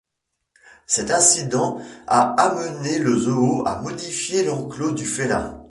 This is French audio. Cet incident a amené le zoo à modifier l'enclos du félin.